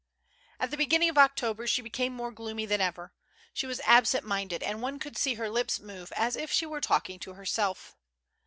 '^ At the beginning of October she became more gloomy than ever. Slie was absent minded, and one could see her lips move, as if she were talking to herself.